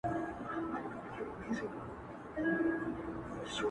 د بل کټ تر نيمو شپو دئ.